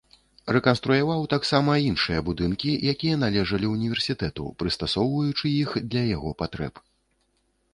Рэканструяваў таксама іншыя будынкі, якія належалі ўніверсітэту, прыстасоўваючы іх для яго патрэб.